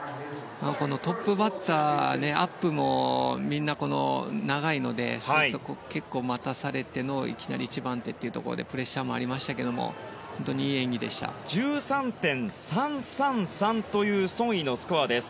トップバッターアップもみんな長いので結構待たされての１番手というところでプレッシャーもありましたが本当にいい演技でした。１３．３３３というソン・イのスコアです。